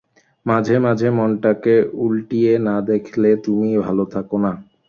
মাঝে মাঝে মনটাকে উলটিয়ে না দেখলে তুমি ভালো থাক না।